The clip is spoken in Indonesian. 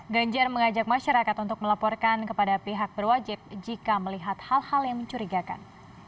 ganjar mengajak masyarakat untuk melaporkan kepada pihak berwajib jika melihat hal hal yang mencurigakan